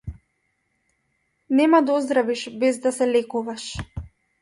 Нема да оздравиш без да се лекуваш.